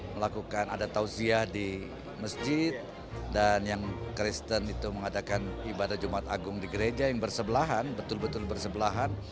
melakukan ada tausiyah di masjid dan yang kristen itu mengadakan ibadah jumat agung di gereja yang bersebelahan betul betul bersebelahan